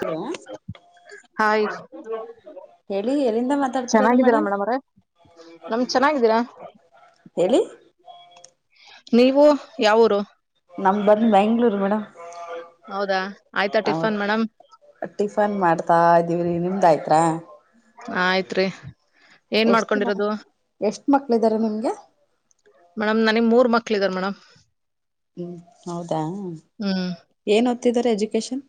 Hello hi ಹೇಳಿ ಎಲ್ಲಿಂದ ಮಾತಾಡ್ತಿರೋದು ಮೇಡಮ್ ನಮ್ ಚೆನ್ನಾಗಿದ್ದೀರಾ ಹೇಳಿ ನೀವು ಯಾವರು ನಮ್ಮ ಬಂದು ಮ್ಯಾ್ಳೂರು ಮೇಡಮ್ ಹೌದಾ ಆಯ್ತಾ ಅವ ಟಿಫನ್ ಮೇಡಮ್ ಟಿಫನ್ ಮಾಡ್ತಾ ಇದ್ದೀವ್ರಿ ನಿಮ ಆಯ್ತ್ತ್ರಾ ಹ ಆಯ್ತ್ರಿ ಏನ್ ಎಷ್ಟ ದಿನ ಮಾಡ್ಕೊಂಡಿರೋದು ಎಷ್ಟ ಮಕ್ಳ ಇದ್ದಾರೆ ನಿಮ್ಗೆ ಮೇಡಮ್ ನನಗ್ ಮೂರ್ ಮಕ್ಳ ಇದಾರೆ ಮೇಡಮ್ ಹ್ಮ್ ಹೌದಾ ಹ್ಮ್ ಏನ್ ಹೊ್ತ್ತಿದಿದ್ದಾರೆ ಎಜುಕೇಶನ್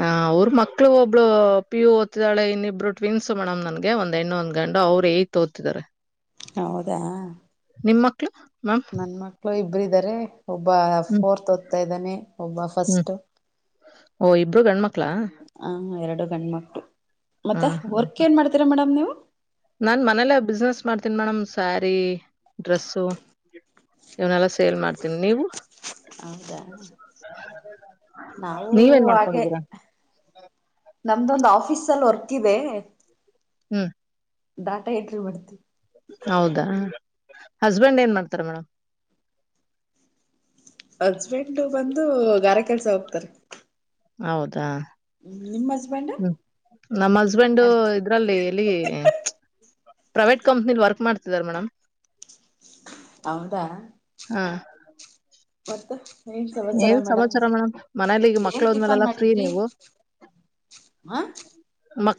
ಹ ಅವ್ರ ಮಕ್ಳ ಇಬ್ರು ಪ ಯು ಓದತಿದ್ದಾಳೆ ಇನ್ನಿಬ್ಬರು ಟ್ವಿನ್ಸ್ ಮೇಡಮ್ ನನ್ಗೆ ಒಂದ್ ಹೆಣ್ಣೊಂದ್ ಗಂಡು ಅವ್ರು ಯ್ ಓದ್ತಿದಾರೆ ಹೌದಾ ನಿಮ್ಮ ಮಕ್ಳು ಮ್ಯಾಮ್ ಒಬ್ಬರುಾರೆ ಒಬ್ಬ ಹ್ಮ್ ಫೋರ್ತ್ ಓದ್ತಾ ಇದ್ದಾನೆ ಒಬ್ಬ ಹ್ಮ್ ಫಸ್ಟ್ ಓ ಇಬ್ರು ಗಂಡ್ ಮಕ್ಳಾ ಹ ಎರಡು ಗಂಡ ಮಕ್ು ಮತ್ತೆ ಹ ವರ್ಕ್ ಏನ್ ಮಾಡ್ತೀರಾ ಮೇಡಮ್ ನೀವು ನಾನ್ ಮನೇಲ್ಲ ಬಿಸ್ನೆಸ್ ಮಾಡ್ತೀನಿ ಮೇಡಮ್ ಸ್ಯಾರಿ ಡ್ರೆಸ್ಸು ಇವನೆಲ್ಲಾ ಸೇಲ್ ಮಾಡ್ತೀನಿ ನೀವು ಹೌದಾ ನಾವು ನೀವೇನ್ ಮಾಡ್ಕೊಂಡಿದ್ದೀರಾ ಹ ನಮ್ದೊಂದು್ ಆಫೀಸ್ ಅಲ್ಲಿ ವರ್ಕ್ ಇದೆ ಹ್ಮ್ ದಾಟಾ ಟಿ ಬರ್ತಿ ಹೌದಾ ಹಸ್ಬೆಂಡ್ ಏನ್ ಮಾಡ್ತಾರ ಮೇಡಮ್ ಹಸ್ಬೆಂಡ್ ಬಂದು ಗಾರ ಕೆಲ್ಸ ಹೋಗ್ತಾರೆ ಹೌದಾ ಹ್ಮ್ ನಿಮ್ಮ ಹ್ಮ ನಮ್ಮ್ ಹಸ್ಬೆಂಡ ಇದ್ರಲ್ಲಿ ಎಲ್ಲಿ ಪ್ರೈವೇಟ್ ಕಂಪ್ನಿಲಿ ವರ್ಕ್ ಮಾಡ್ತಿದ್ದಾರೆ ಮೇಡಮ್ ಹೌದಾ ಹಾ ಮತ್ತ ನೀನ್ ಸಮಸರ ಏನ್ ಮೇಡಮ್ ಸಮಾಚಾರ ಮನೇಲಿ ಈಗ ಮಕ್ಳು ಏನ್ ಟಿಫನ್ ಹೋದ್ಮೇಲೆಲ್ಲಾ ಫ್ರೀ ಮಾಡಿದ್ರಿ ನೀವು ಹ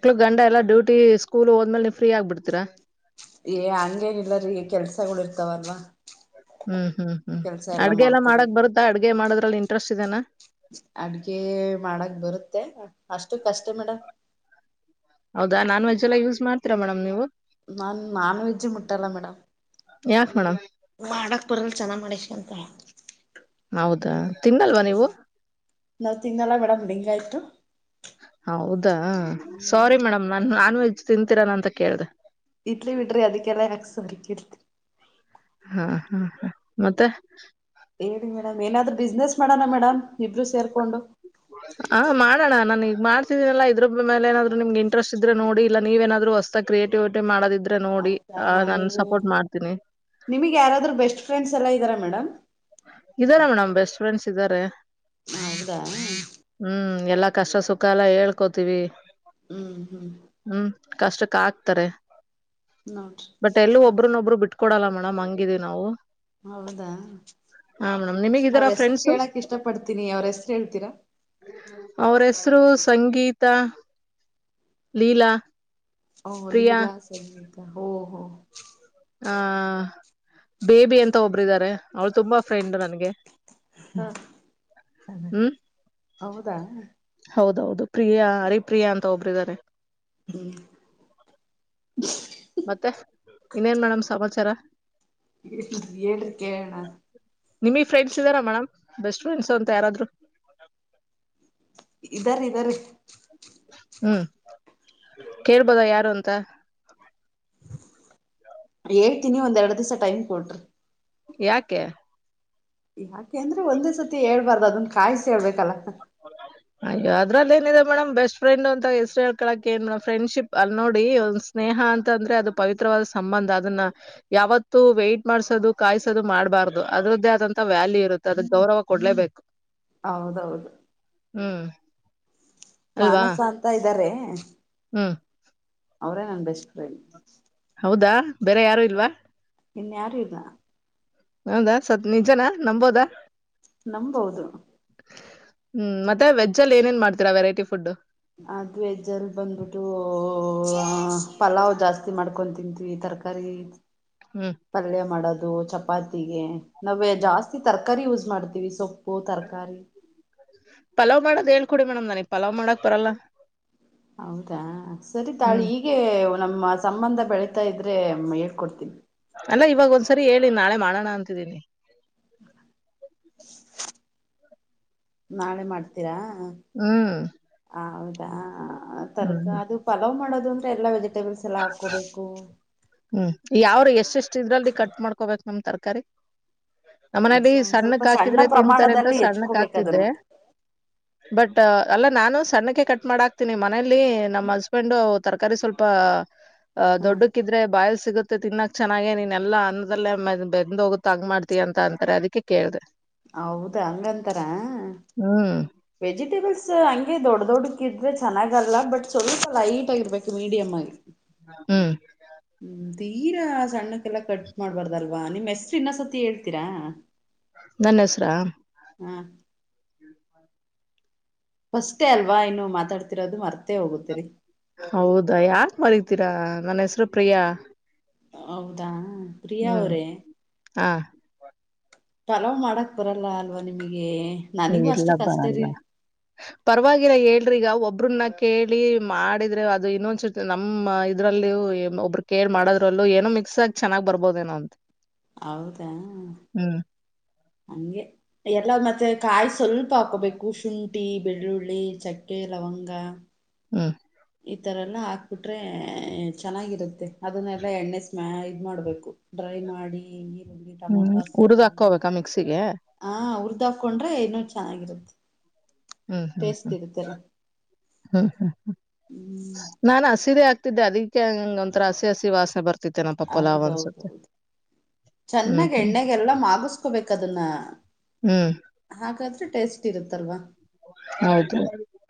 ಮಕ್ಳ ಗಂಡ ಎಲ್ಲ ಡ್ಯೂಟಿ ಸ್ಕೂಲ್ ಹೋದ್ಮೇಲೆ ನೀವು ಫ್ರೀ ಆಗ್ಬಿಡ್ತೀಾ ಏ ಹಂಗೇನಿಲ್ಲ ರೀ ಕೆಲ್ಸಗಳು ಇರ್ತಾವಲ್ವಾ ಹ್ಮ್ ಹ್ಮ್ ಹ್ಮ್ ಕೆಲ್ಸ ಎಲ್ಲಾ ಅಡ್ಗೆಲ್ಲಾ ಮಾಡಕ್ ಮಾಡ್ಕೋಬೇಕು ಬರುತ್ತಾ ಅಡ್ಗೆ ಮಾಡೋದ್ರಲ್ಲಿ ಇಂಟ್ರೆಸ್ಟ್ ಇದದೆನಾ ಅಡ್ಗೆ ಮಾಡಕ್ ಬರುತ್ತೆ ಅಷ್ಟು ಕಷ್ಟ ಮೇಡಮ ಹೌದಾ ನಾನ್ ವೆಜ್ ಎಲ್ಲ ಯೂಸ್ ಮಾಡ್ತೀರಾ ಮೇಡಮ್ ನೀವು ನನ್ ನಾನ್ ವೆಜ್ಜ್ ಮುಟ್ಟಲ್ಲ ಮೇಡಮ್ ಯಾಕ ಮೇಡಮ್ ಮಾಡಕ್ ಬರಲ್ ಚೆನ್ನಾಗ್ ಮಾಡಿಸ್ಕಂತ ಹ ಹೌದಾ ತಿನ್ನಲ್ವಾ ನೀವು ನವ ತಿಂಗನಲ್ಲ ಮೇಡಮ್ ಹೆಂಗ ಆಯ್ತ ಹೌದಾ ಸಾರಿ ಮೇಡಮ್ ನಾ ನಾನ್ ವೆಜ್ ತಿಂತೀರಾನ ಅಂತ ಕೇಳ್ದ ಇಡ್ಲಿ ಬಿಡ್ರಿ ಅದಕ್ಕೆಲ್ಲ ಯಾಕ್ಸರ್ಕತ್ರಿ ಹಾ ಹಾ ಮತ್ತೆ ಹೇಳಏಿ ಮೇಡಮ್ ಏನಾದ್ರು ಬಿಸ್ನೆಸ್ ಮಾಡೋಣ ಮೇಡಮ್ ಇಬ್ರು ಸೇರ್ಕೊಂಡು ಹಾ ಮಾಡೋಣ ನಾನ ಈಗ ಮಾಡ್ತಿದೀನಲ್ಲ ಇದ್ರೊಬ್ಬ ಮೇಲೆ ಏನಾದ್ರು ನಿಮ್ಗೆ ಇಂಟೆಸ್ಟ್ ಇದ್ರೆ ನೋಡಿ ಇ ನೀವೇನಾದ್ರು ಹೊಸ ಕ್ರಿಯೇಟಿವಿಟಿ ಮಾಡದ ಆದ್ರೆ ನೋಡಿ ಆ ನನ್ ಸಪೋರ್ಟ್ ಮಾಡ್ತೀನಿ ನಿಮ್ಗ್ ಯಾರಾದ್ರರು ಬೆಸ್ಟ್ ಫ್ರೆಂಡ್ಸ್ ಎಲ್ಲ ಇದಾರಾ ಮೇಡಮ್ ಇದಾರೆ ಮೇಡಮ್ ಬೆಸ್ಟ್ ಫ್ರೆಂಡ್ಸ್ ಇದ್ದಾರೆ ಹೌದಾ ಎಲ್ಲಾ ಕಷ್ಟ ಸುಖ ಎಲ್ಲ ಹೇಳ್ಕೋತಿೀವಿ ಹ್ಮ್ ಹ್ಮ್ ಕಷ್ಟಕ್ಕ ಆಾಕ್ತಾರೆ ನೋಡ್ರಿ ಬಟ್ ಎಲ್ಲೂ ಒಬ್ರನ್ನೊಬ್ರು ಬಿಟ್ಕೊಡಲ್ಲ ಮಾಡ ಮಂಗಿದೀವಿ ನಾವು ಹೌದಾ ಹಾ ಮೇಡಮ್ ನಿಮಗ್ ಅವ್ರ ಇದಾರ ಹೆಸರು ಫ್ರೆಂಡ್ಸ್ ಕೇಳಕ್ ಇಷ್ಟ ಪಡ್ತೀನಿ ಅವ್ರ ಹೆಸರು ಹೇಳ್ತೀರಾ ಅವ್ರ ಹೆಸರು ಸಂಗೀತ ಲೀಲಾ ಹಓ ಪ್ರಿಯಾ ಲೀಲ್ಲ ಸ ನೀತ ಹ ಹ ಆಹ ಬೇಬಿ ಅಂತ ಒಬ್ಬರುಾರೆ ಅವಳು ತುಂಬಾ ಫ್ರೆಂಡ್ ನನ್ಗೆ ಹಾ ಚನ್ನ ಹ್ಮ್ ಹೌದಾ ಹೌದೌದು ಪ್ರಿಯಾ ಹರಿಪ್ರಿಯಾ ಅಂತ ಒಬ್ಬ್ರಿದ್ದಾರೆ ಮತ್ತೆ ಇನ್ನೇನ್ ಮೇಡಮ್ ಸಮಾಚಾರ ಹೇಳಳ್ರಿ ಕಣ ನಿಮಗ್ ಫ್ರೆಂಡ್ಸ್ ಇದ್ದಾರಾ ಮೇಡಮ್ ಬೆಸ್ಟ್ ಫ್ರೆಂಡ್ಸ್ ಅಂತ ಯಾರಾದ್ರು ಇದ್ದರರೆ ಹ್ಮ್ ಕೇಳ್ಬೋದ ಯಾರು ಅಂತ ಹಳ್ತೀನಿ ಒಂದ ಎರಡು ದಿವಸ ೈಮ್ ಕೊಟರು ಯಾಕೆ ಯಾಕೆ ಅಂದ್ರೆ ಒಂದೇ ಸತಿ ಹೇಳ್ಬಾರ್ದು ಅದನ್ ಕಾಯಸ ಹೇಳ್ಬೇಕಲ್ಲ ಅಯ್ಯೋ ಅದಲ್ಲಿ ಏನಿದೆ ಮೇಡಮ್ ಬೆಸ್ ಫ್ರೆಂಡ್ ಅಂತ ಹೆಸರುೇಳ್ಳಕಕ್ ನ್ ಮೇಡ ಫ್ರೆಂಡ್ಶಿಪ್ ಅಲ್ಲಿೋಡಿಂದ್ ಸ್ನೇಹ ಸ್ನೇಹ ಅಂತ ಅಂದ್ರೆ ಅದು ಪವಿತ್ರವಾದ ಸಂಬಂಧ ಅದನ್ನ ಯಾವತ್ತು ವೈಟ್ ಮಾಡ್ಸೋದು ಕಾಯಸೋದು ಮಾಡ್ಬಾರ ಹೌದು ಅದ್ರದ್ದೇ ಆದಂತ ವ್ಯಾಲ್ಯೂ ಇರುತ್ತೆ ಅದ ಗೌರವ ಕೊಡ್ಲೇಬೇಕು ಹೌದೌದು ಹ್ಮ್ ಮಾನಸ ಅಂತ ಇದಾರೆ ಹ್ಮ ಅವರೇ ನನ್ ಬೆಸ್ಟ್ ಫ್ರೆಂಡ್ ಹೌದಾ ಬೇರೆ ಯಾರು ಇಲ್ವಾ ಇನ್ನ ಯಾರ ಇದ ಹೌದಾ ಸತ್ ನಿಜನಾ ನಂಬಂಬೋದ ನಂಬಂಬೌದು ಹ್ಮ್ ಮತ್ತೆ ವೆಜ್ ಅಲ್ಲಿ ಏನಏನ್ ಮಾಡ್ತೀರ ವೆರೈಟಿ ಫುಡ್ ಅದ್ ವೇಜ್ಜಲ್ ಬಂದ್ಬಿಟ್ಟು ಪಲಾವ್ ಜಾಸ್ತಿ ಮಾಡ್ಕೊ ತಿಂತವಿ ಈ ತರ ಹ್ಮ್ ತಯ ಮಾಡ ಚಾತಿ ನ ಜಾಸ್ತಿ ತರ ಕರಿ ಯೂಸ್ ಮಾಡ್ತೀವಿ ಸೊಪ್ಪು.. ತರಕಾರಿ ಪಲಾವ್ ಮಾಡದ ಹೇಳ್ಕೊಡಿ ಮೇಡಮ್ ನನಗ್ ಪಲಾವ್ ಮಾಡಕ್ ಬರಲ್ಲ.. ಹೌದಾ ಸರಿ ತಾಳೆ ಹ್ಮ್ ಹೀಗೆ ನಮ್ಮ ಸಂಬಂಧ ಬೆಳತಾ ಇದ್ರೆ.. ಆದ್ರೆ ಹೇಳ್ಕೊಡ್ತೀನಿ. ಅಲ್ಲ ಇವಾಗ ಒಂದ್ಸರಿ ಹೇಳಿ ನಾಳೆ ಮಾಡೋಣ ಅಂತಿದೀನಿ. ನಾಳೆ ಮಾಡ್ತೀರಾ.. ಹ್ಮ್ ಹ ಹೌದಾ ಹ್ಮ್ ತರಕ ಹ್ಮ್ ಅದು ಪಲಾವ್ ಮಾಡೋದು ಅಂದ್ರೆ ಎಲ್ಲ ವ.. ವೆಜಿಟೇಬಲ್ಸ್ ಹ್ಮ್ ಯಾವರು ಎಷ್ಟ ಎಷ್ಟ ಇದ್ರಲ್ ಕಟ್ ಮಾಡ್ಕೋಬೇಕ.. ನಮ್ಮ್ ತರಕಾರಿ.. ಒಂದ್ ನಮ್ಮನಲಿ ಸ್ವಲ್ಪ ಸಣ್ಣಕ್ ಸಣ್ಣ ಹಾಕಿದ್ರೆ ತಿಂತಾರೆ ಅಂತ ಪ್ರಮಾಣದಲ್ಲಿ ಸಣ್ಣಕ್ ಹೆಚ್ಕೋಬೇಕ ಅದನ್ನ ಹಾಕ್ತಿದ್ದೆ ಬಟ್ ಅಲ್ಲ ನಾನು ಸಣ್ಣಕ್ಕೆ ಕಟ್ ಮಾಡ ಹಾಕ್ತೀನಿ ಮನೇಲಿ ನಮ್ಮ ಹಸ್ಬೆಂಡ್ ತರಕಾರಿ ಸ್ವಲ್ಪ ಅ ದೊಡ್ಡಕ್ಕಿದ್ರೆ ಬಾಯಲ್.. ಸಿಗುತ್ತೆ ತಿನ್ನಕ್ ಚೆನ್ನಾಗೆ ನೀನ್ ಎಲ್ಲ ಅನ್ನದಲ್ಲೇ ಬೆಂದ ಹೋಗುತ್ತ ತಗ್ ಮಾಡ್ತ ಅಂತ ಅಂತಾರೆ ಅದಕ್ಕೆ ಕೇಳ್ದೆ.. ಹೌದ ಹಂಗಂತರ ಹ್ಮ್ ವೆಜಿಟೇಬಲ್ಸ್ ಹಂಗಗೆ ದೊಡ್ ದೊಡ್ಡ.. ಕ್ಕಿದ್ರೆ ಚೆನ್ನಾಗಲ್ಲ ಬಟ್ ಸ್ವಲ್ಪ ಲೈಟ್ ಆಗಿರ್ಬೇಕು ಮೀಡಿಯಮ್ ಆಗಿ. ಹ್ಮ್. ಹ್ಮ್ ತೀರಾ ಸಣ್ಣಕ್ಕೆಲ್ಲಾ ಕಟ್ ಮಾಡ್ಬಾರ್ದಲ್ವಾ ನಿಮ್ ಹೆಸ್ರು ಇನ್ನ ಸತಿ ಹೇಳ್ತೀರಾ.. ನನ್ನ ಹೆಸರಾ.. ಹಾ. ಫಸ್ ಅಲ್ವಾ ಇನ್ನು ಮಾತಾಡ್ತಿರೋದು ಮರ್ತೇ ಹೋಗತಿರಿ.. ಹೌದಾ ಯಾರ್ ಮರಿತೀರಾ ನನ್ನ ಹೆಸರು ಪ್ರಿಯಾ.. ಹೌದಾ. ಪ್ರಿಯಾ ಹ್ಮ್ ಅವ್ರೇ ಹಾ.. ಪಲಾವ್ ಮಾಡಕ್ ಬರಲ್ಲ ಅಲ್ವಾ ನಿಮಗೆ.. ನನಗೂ ಇಲ್ಲ ಅಷ್ಟು ಕಷ್ಟ ರೀ ಬರಲ್ಲ ಪರವಾಗಿಲ್ಲ ಹೇಳ್ರಿಗ ಒಬ್ರನ್ನ.. ಕೇಳಿ ಮಾಡಿದ್ರೆ ಅದು ಇನ್ನೊಂದ್ಸತಿ ನಮ್ಮ ಇದ್ರಲ್ಲಿ ಒಬ್ರು ಕೇಳ್ ಮಾಡೋದ್ರಲ್ಲೂ ಏನೊ.. ಮಿಕ್ಸ್ ಆಗ ಚನ್ನಾಗ್ ಬರ್ಬೋದೇನೋ ಅಂತ.. ಹೌದಾ ಹ್ಮ್ ಹಗೆ ಎಲ್ಲ ಮತ್ತೆ ಕಾಯ.. ಸ್ವಲ್ಪ ಹಾಕೋಬೇಕು ಶುಂಠಿ ಬೆಳ್ಳುಳ್ಳಿ ಚಕ್ಕೆ ಲವಂಗ.. ಹ್ಮ್ ಈತರ ಎಲ್ಲ ಹಾಕ್ಬಿಟ್ರೆ ಚೆನ್ನಾಗಿರುತ್ತೆ ಅದನ್ನೆಲ್ಲ ಎಣ್ಣೆ ಸ್ಮ್ಯಾ ಇದ ಮಾಡ್ಬೇಕು.. ಫ್ರೈ ಮಾಡಿ ಇಂಗೆ. ಹ್ಮ್ ಉರ್ದ್ ಹಾಕೋಬೇಕಾ ಮಿಕ್ಸಿಗೆ. ತಕೊಂಡ್ರೆ ಇನ್ನುೂ ಚೆನ್ನಾಗಿರುತ್ತೆ.. ಹ್ಮ್ ಹ್ಮ್ ಟೇಸ್ಟ್ ಹ್ಮ್ ಇರುತ್ತಲ್ಲ ಹ್ಮ್ ಹ್ಮ್ ಹ್ಮ ಹ್ಮ್ ನಾನ ಸೀರೆ ಆಗ್. ಅದಕ್ಕೆಂಗ ಒಂರ ಹಸಿ ಹಸಿ ವಾಸನೆ ಬತ. ಹೌದೌದೌದು. ಹ್ಮ್ ಚೆನ್ನಾಗ ಹ್ಮ್ ಎಣ್ಣೆಗೆಲ್ಲ ಮಗಸ್ಬೇಕ ಅದನ್ನ ಹ್ಮ್ ಹಾಗಾದ್ರೆ.. ಟೇಸ್ಟ್ ಇರುತ್ತಲ್ವಾ.. ಹೌದ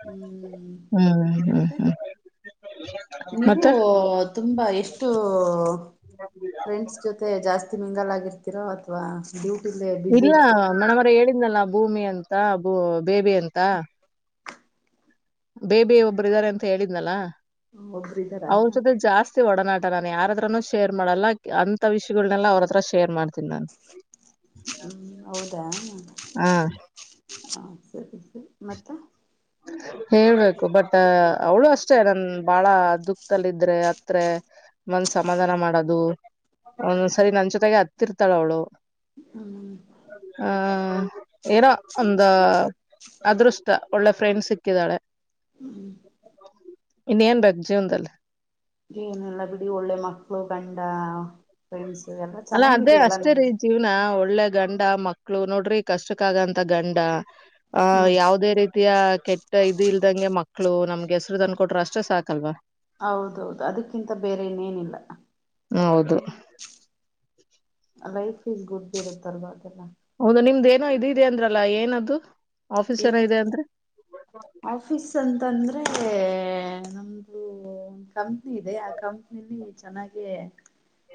ಹ್ಮ್ ಹ್ಮ್ ಹ್ಮ ಮತ್ತೆ ಹ್ಮ. ನೀವು ತುಂಬಾ ಎಷ್ಟು ಫ್ರೆಂಡ್ಸ್ ಜೊತೆ ಜಾಸ್ತಿ.. ಮಿಂಗಲ್ ಆರ್ತತಿರೋ ಅಥವಾ ಡ್ಯೂಕ್. ಇಲ್ಲ ಮಣಮರ ಹೇಳಿದ್ನಲ್ಲ ಭೂಮಿ ಅಂತ ಬೂ ಬೇಬಿ ಅಂತ.. ಬೇಬಿ ಒಬ್ಬರು ಇದಾರೆ ಅಂತ ಹೇಳಿದ್ನಲ್ಲ ಒಬ್ರು ಇದ್ದಾರಾ ಅವ್ರ ಜೊತೆ ಜಾಸ್ತಿ ಒಡನಾಟ.. ನಾನನ್ ಯಾರ ಹತ್ರಾನೂ ಶೇರ್ ಮಾಡಲ್ಲ ಅಂತ ವಿಷಯಗಳನ್ನನೆಲ್ಲ ಅವ್ರ ಹತ್ರ ಶೇರ್ ಮಾಡ್ತ.. ಹ್ಮ್ ಹೌದಾ. ಹ ಹಾ ಸರಿ ಸರಿ ಮತ್ತೆ.. ಹೇಳ್ಬೇಕು ಬಟ್ ಅವಳು ಅಷ್ಟೇ ನನ್ ಬಾಳ ದುಖಲ್ಲ ಇದ್ರೆ ಹತ್ರ.. ಒಂದ್ ಸಮಾಧಾನ ಮಾಡೋದು ಒಂದೊ್ಸರಿ ನನ್ ಜೊತೆಗೆ ಹತ್ತಿರ್ತಾಳ ಅವಳು.. ಹ್ಮ್ ಹಾ. ಏನೋ ಒಂದ ಅದೃಷ್ಟ ಒಳ್ಳೆ ಫ್ರೆಂಡ್ ಸಿಕ್ಕಿದಾಳೆ.. ಹ್ಮ್. ಇನ್ನ ಏನ್ ಬೇಕ ಜೀವನ್ನದಲ್ಲಿ ಏನೆಲ್ಲಾ ಬಿಡಿ ಒಳ್ಳೆ ಮಕ್ಳು ಗಂಡ ಫ್ರೆಂಡ್ಸ್ ಎಲ್ಲ ಅಲ್ಲ ಅದೇ ಚೆನ್ನಾಗಿದೆಯಲ್ಲ ಅಷ್ಟೇ ರೀ ನಿಮ್ದು ಜೀವ್ನ ಒಳ್ಳ ಒಳ್ಳೆ ಗಂಡ ಮಕ್ಳು ನೋಡ್ರಿ ಕಷ್ಟಕ್ಕ ಆಗಂತ ಗಂಡ ಆ ಹ್ಮ್ ಯಾವದೇ ರೀತಿಯ ಕೆಟ್ಟ ಇದಿಲ್ ಇದಂಗೆ ಮಕ್ಳು ನಮ್ಗೆ ಹೆಸರು ತನ್ ಕೊಟ್ರರು ಅಷ್ಟೇ ಸಾಕಲ್ವಾ ಹೌದೌದು ಅದಕ್ಕಿಂತ ಬೇರೆ ಇನೇನಿಲ್ಲ ಹೌದು ಲೈಫ್ ಇಸ್ ಗುಡ್ ಇರುತ್ತಲ್ವಾ ಅದೆಲ್ಲ.. ಹೌದ ನಿಮ್ದೇಏನೋ ಇದು ಇದೆ ಅಂದ್ರಲ್ಲ ಏನದು ಆಫೀಸ್ ಏ ಏನೋ ಇದೆ ಅಂದ್ರೆ ಆಫೀಸ್ ಅ ಅಂತಂದ್ರೆ ನಮ್ದು ಕಂಪ್ನಿ ಇದೆ ಆ ಕಂಪ್ನಿಲಿ ಚೆನ್ನಾಗಿದೆ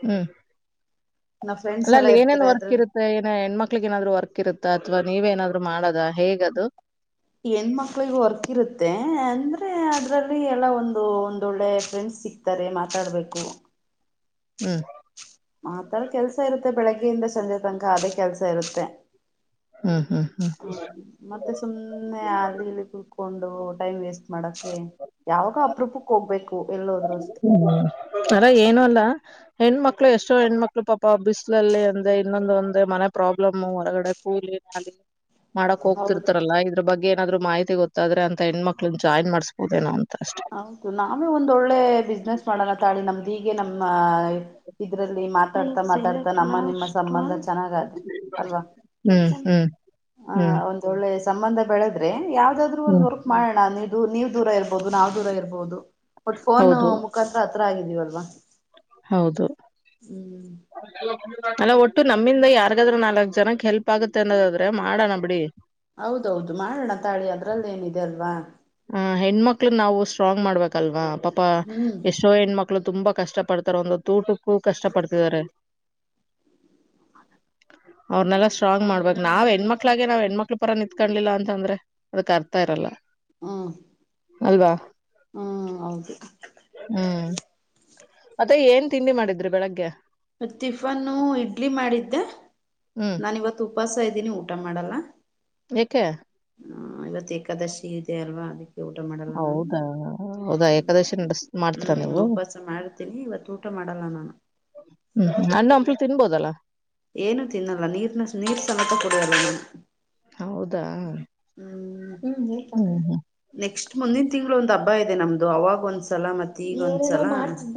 ಹ್ಮ್ ಫ್ರೆಂಡ್ಸ್ ಅಲ್ಲ ಎಲ್ಲ ಅಲ್ಲಿ ಏನೇನ್ ಇರ್ತಾರೆ ಅದ್ರ ವರ್ಕ್ ಇರುತ್ತೆ ಏನ ಹೆಣ್ಮಕ್ಳಿಗೆ ಏನಾದ್ರು ವರ್ಕ್ ಇರುತ್ತಾ ಅಥವಾ ನೀವೇನಾದ್ರು ಮಾಡದ ಹೇಗದು ಹೆಣ್ಣಮಕ್ಳಿಗೆ ವರ್ಕ್ ಇರುತ್ತೆ ಅಂದ್ರೆ ಅದ್ರಲ್ಲಿ ಎಲ್ಲ ಒಂದು ಒಂದೊಳ್ಳೆ ಫ್ರೆಂಡ್ಸ್ ಸಿಗ್ತಾರೆ ಮಾತಾಡ್ಬೇಕು ಹ್ಮ್ ಮಾತಡ ಕೆಲ್ಸ ಇರುತ್ತೆ ಬೆಳಗ್ಗೆಯಿಂದ ಸಂಜೆ ತನಕ ಅದೇ ಕೆಲ್ಸ ಇರುತ್ತೆ ಹ್ಮ್ ಹ್ಮ್ ಹ್ಮ್ ಹ್ಮ್ ಹ ಮತ್ತೆ ಸುಮ್ಮನೆ ಅಲಿ ಇಲಿ ಕುತ್ಕೊಂಡು ಟೈಮ್ ವೇಸ್ಟ್ ಮಾಡಕೆ ಯಾವಾಗ ಅಪರೂಪಕ್ ಹೋಗ್ಬೇಕು ಎಲ್ಲೋದ್ರು ಅಷ್ಟೆ ಹ ಅರ ಏನು ಅಲ್ಲ ಹೆಣ್ಣಮಕ್ಳು ಎಷ್ಟೋ ಹೆಣ್ಣಮಕ್ಳು ಪಾಪ ಬಿಸ್ಲಲ್ಲಿ ಅಂದೆ ಇನ್ನೊಂದು ಒಂದ ಮನೆ ಪ್ರಾಬ್ಲಮ್ ಹೊರಗಡೆ ಕೂಲಿ [unintelligible] ಮಾಡಕ್ ಹೌದು ಹೋಗ್ತಿರ್ತಾರಲ್ಲ ಇದ್ರ ಬಗ್ ಏನಾದ್ರು ಮಾಹಿತಿ ಗೊತ್ತಾದ್ರ ಅಂತ ಹೆಣ್ಮ ಮಕ್ಳು ಜಾಯ್ನ್ ಮಾಡಸ್ಬಹದೇನೋ ಅಂತ ಅಷ್ಟೆ ಹೌದು ನಾವೇ ಒಂದಳ್ಳೆ ಬಿಸ್ನೆಸ್ ಮಾಡೋಣ ತಾಳಿ ನಮ್ದೀಗೆ ನಮ್ಮ್ ಇದ್ರಲ್ಲಿ ಮಾತಾಡ್ತಾ ಮಾತಾಡ್ತಾ ನಮ್ಮ ನಿಮ್ಮ ಸಂಬಂಧ ಚೆನ್ನಾಗ ಆದ್ರೆ ಅಲ್ವಾ ಹ್ಮ್ ಹ್ಮ್ ಹಾ ಹ್ಮ್ ಒಂದು ಒಳ್ಳೆ ಸಂಬಂಧ ಬೆಳೆದ್ರೆ ಯಾವ್ದಾದ್ರು ಒಂದು ಹ್ಮ್ ವರ್ಕ್ ಮಾಡೋಣ ನೀದು ನೀವ್ ದೂರ ಇರ್ಬೋದು ನಾವ್ ದೂರ ಇರ್ಬೋದು ಒಟ್ ಫೋನ್ ಹೌದು ಮುಖಾಂತ್ರ ಹತ್ರ ಆಗಿದೀವಲ್ವಾ ಹೌದು ಹ್ಮ್ ಅಲ್ಲ ಒಟ್ಟು ನಮ್ಮಿಂದ ಯಾರ್ಗಾದ್ರೂ ನಾಲ್ಕಕ್ ಜನಕ್ ಹೆಲ್ಪ್ ಆಗುತ್ತೆ ಅನ್ನೋದಾದ್ರೆ ಮಾಡೋಣ ಬಿಡಿ ಹೌದೌದು ಮಾಡೋಣ ತಾಳಿ ಅದ್ರಲ್ಲಿ ಏನಿದೆ ಅಲ್ವಾ ಹ ಹೆಣ್ಮಕ್ಳು ನಾವು ಸ್ಟ್ರಾಂಗ್ ಮಾಡ್ಬೇಕಲ್ವಾ ಪಾಪಾ ಹ್ಮ್ ಎಷ್ಟೋ ಹೆಣ್ಮಕ್ಳು ತುಂಬಾ ಕಷ್ಟ ಪಡ್ತಾರ ಒಂದುತ ಊಟಕ್ಕೂ ಕಷ್ಟ ಪಡ್ತಿದಿದ್ದಾರೆ ಅದ ಅವ್ರನೆಲ್ಲ ಸ್ಟ್ರಾಂಗ್ ಮಾಡ್ಬೇಕ್ ನಾವ್ ಹೆಣ್ಮಕ್ಳಾಗಿ ನಾವ್ ಹೆಣ್ಮಕ್ಳ ಪರ ನಿಂತ್ಕಳಿಲ್ಲ ಅಂದ್ರೆ ಅದಕ್ ಅರ್ಥ ಇರಲ್ಲಾ ಹ್ಮ್ ಅಲ್ವಾ ಹ್ಮ್ ಹೌದು ಹ್ಮ ಅದೇ ಏನ್ ತಿಂಡಿ ಮಾಡಿದ್ರಿ ಬೆಳಿಗ್ಗೆ ಮ ಟಿಫನ್ ಇಡ್ಲಿ ಮಾಡಿದ್ದೆ ಹ್ಮ್ ನಾನ ಇವತ್ತು ಉಪವಾಸ ಇದ್ದೀನಿ ಊಟ ಮಾಡಲ್ಲ ಯಾಕೆ ಹ ಇವತ್ತು ಏಕಾದಶಿ ಇದೆ ಅಲ್ವಾ ಅದಕ್ಕೆ ಊಟ ಮಾಡಲ್ಲ ನಾನು ಹೌದಾ ಹೌದಾ ಹ್ಮ್ ಏಕಾದಶಿ ನಡೆಸ್ ಮಾಡ್ತೀರಾ ಹ್ಮ್ ನೀವು ಉಪವಾಸ ಮಾಡ್ತೀನಿ ಇವತ್ತು ಊಟ ಮಾಡಲ್ಲ ನಾನು ಹ್ಮ್ ಅಣ್ಣು ಹಂಪ್ಲು ತಿನ್ಬೋದಲ್ಲಾ ಏನು ತಿನ್ನಲ್ಲ ನೀರ್ ನೀರ್ ಸಮೇತ ಕೊಡಿಯಲ್ಲ ನೀನ್ ಹೌದಾ ಹ್ಮ ಹ್ಮ ಹ್ಮ್ ಹ್ಮ್ ನೆಕ್ಸ್ಟ್ ಮುಂದಿನ ತಿಂಗಳು ಒಂದು ಹಬ್ಬ ತುಬ ಇದೆ ನಮ್ದು ಅವಾಗ ಒಂದ್ಸಲ ಮತ್ತೆ ಈಗ ಒಂದ್ಸಲ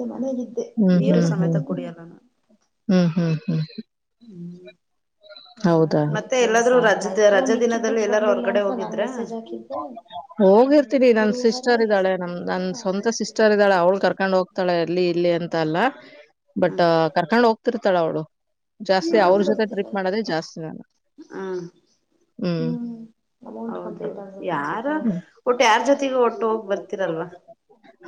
ಚನಾಗಿದ್ದೆ ನೀರು ಹ್ಮ್ ಸಮೇತ ಹ್ಮ್ ಹ್ಮ್ ಕುಡಿಯಲ್ಲ ನಾ ಹ್ಮ್ ಹ್ಮ್ ಹ್ಮ್ ಹ್ಮ್ ಹೌದಾ ಮತ್ತೆ ಎಲ್ಲಾದ್ರೂ ರಜ ರಜ ದಿನದಲ್ಲಿ ಎಲ್ಲಾರೂ ಹೊರ್ಗಡೆ ಹೋಗಿದ್ರೆ ಮಜಾ ಕಿದ್ದ ಹೋಗಿರ್ತೀನಿ ನನ್ ಸಿಸ್ಟರ್ ಇದ್ದಾಳೆ ನಮ್ ಶುಕ್ರವಾರ ನನ್ ನಾ ಸ್ವಂತ ಸಿಸ್ಟರ್ ಬರ್ತೀನಿ ಇದ್ದಾಳೆ ಅವ್ಳು ಕರ್ಕೊಂಡ್ ಹೋಗ್ತಾಳೆ ಅಲ್ಲಿ ಇಲ್ಲಿ ಅಂತ ಅಲ್ಲ ಬಟ್ ಹ್ಮ್ ಕರ್ಕೊಂಡ್ ಹೋಗ್ತಿರ್ತಾಳ ಅವಳು ಜಾಸ್ತಿ ಅವ್ರ ಹಾ ಜೊತೆ ಟ್ರಿಪ್ ಮಾಡದೇ ಹಾ ಜಾಸ್ತಿ ನಾನು ಹಾ ಹ್ಮ್ ಹ್ಮ್ತ್ತ ಯಾರ ಹ್ಮ್ ಒಟ್ಟು ಯಾರ ಜೊತೆಗೆ ಒಟ್ಟು ಹೋಗಿ ಬರ್ತಿರಲ್ವ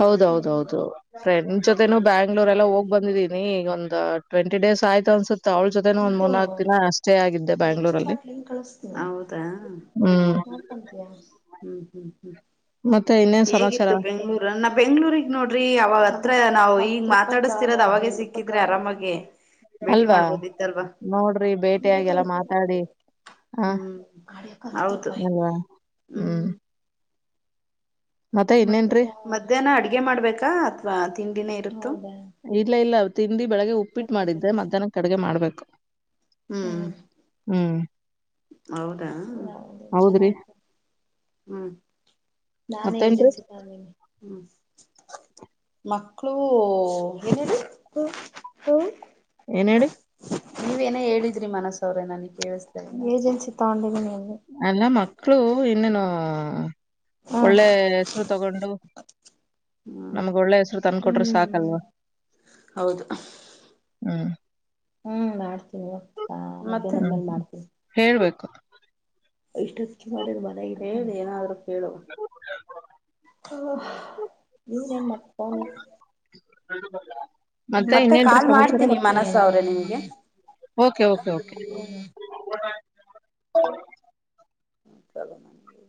ಹೌದೌದೌದು ಫ್ರೆಂಡ್ ಜೊತೆನು ಬ್ಯಾಂಗ್ಳೂರ್ ಎಲ್ಲ ಹೋಗ್ ಬಂದಿದ್ದೀನಿ ಒಂದು ಟ್ವೆಂಟ ಡೇಸ್ ಆಯ್ತು ಅನ್ಸೆ ಅವಳ ಜೊತೆನ ಒಂದ್ ಇದು ಮೂರ್ನಾಲ್ಕು ದಿನ ಅಷ್ಟೇ ಆಗಿದ್ದೆ ನೆಕ್ಸ್ಟ್ ಬ್ಯಾಂಗ್ಳೂರಲ್ಲಿ ಶಾಟ್ ಲಿಂಕ್ ಕಳಿಸ್ತೀನಿ ಹ್ಮ್ ಹ್ಮ್ ನೋಡ್ಕೊಂತೀಯಾ ಹ್ಮ್ ಹ್ಮ ಮತ್ತೆ ಇನ್ನೇನ್ ಸಮಾಚಾರ ಹೇಗಿತ್ತು ಬೆಂಗ್ಳೂರ ನಾ ಬೆಂಗ್ಳೂಗ್ ನೋಡ್ರಿ ಅವಾಗ ಹತ್ರ ನಾವು ಹಂಗ ಮಾತಾಡಿಸತಿರೋದು ಅವಾಗ ಸಿಕ್ಕಿದ್ರೆ ಆರಾಮಾಗಿ ಭೇಟಿ ಅಲ್ವಾ ಮಾಡ್ಬೋದಿತ್ತು ನೋಡ್ರಿ ಬೇಟಿಿಯಾಗಿ ಎಲ್ಲಾ ಮಾತಾಡಿ ಹ ಹ್ಮ್ ಗಡ ಆತ ಅಲ್ವಾ ಹ್ಮ್ ಹ್ಮ್ ಮತ್ತೆ ಮತ್ತ ಇನ್ನೇನ್ರೀ ಮಧ್ಯಾಹ್ನ ಅಡ್ಗೆ ಮಾಡ್ಬೇಕಾ ಅಥವಾ ತಿಂಡಿನೇ ಇರುತ್ತ ಇಲ್ಲ ಇಲ್ಲ ತಿಂಡಿ ಬೆಳಗ್ಗೆ ಉಪ್ಪಿಟ್ಟು ಮಾಡಿದ್ರೆ ಕೊಟ್ಟಿದ್ದಾರೆ ಮಧ್ಯಾಹ್ನ ಕಡೆಗೆ ಮಾಡ್ಬೇಕು ಹ್ಮ್ ಹ್ಮ್ ಹೌದಾ ಹೌದ್ರಿ ಹ್ಮ್ ನಾನೇ ಮತ್ತೇನ್ರಿ ಏಜೆನ್ಸಿ ತೇನೆ ಹ್ಮ್ ಮಕ್ಕಳು ಏನನು ಏನ ಹೇಳ ನೀವ ಏನೇ ಹೇಳಿದ್ರಿ ಮನಸ ಅವ್ರೇ ನನಗ್ ಕೇಳಿಸತ ಏಜೆನ್ಸಿ ತಗೊಂಡೀ ನೀ ಅಲ್ಲ ಮಕ್ಕಳು ಇನ್ನನು ಹ್ಮ್ ಒಳ್ಳೆ ಹೆಸರು ತಗೊಂಡು ಹ್ಮ್ ನಮಗ ಒಳ್ಳೆ ಹೆಸ್ರು ತಂದಕೊಟ್ರ ಹ್ಮ್ ಸಾಕಲ್ವಾ ಹೌದು ಹ್ಮ್ ಮಾಡ್ತೀನಿ ಹ್ಮ್ ಮಮ್ಮೇಲ್ ಮಾಡ್ತೀವಿ [unintelligible] ಇಷ್ಟ ಅಚ್ಚಿ ಮಾಡಿದ್ ಮನೆಗ ಏನಾದ್ರು [unintelligible] ಹ ನೀವುನ್ ಏನ್ ಮ ಪನ ಬ ಮತ್ತೆ ಕಾಲ್ ಮಾಡ್ತೀನಿ ಮನಸ ಅವ್ರೆ ನಿಮ್ಗೆ ಹ ಹ್ಮ್ ಹೌ ಹ್ಮ ಚಲೋ ನನ್ಗೆ